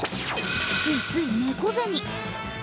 ついつい猫背に。